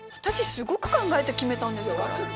私すごく考えて決めたんですから。